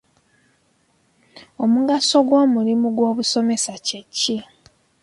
Omugaso gw’omulimu gobusoomesa kyeki?